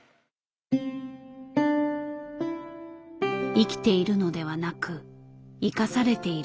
生きているのではなく生かされている。